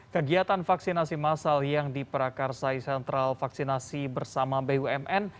kegiatan vaksinasi masal yang diperakar sai sentral vaksinasi bersama bumn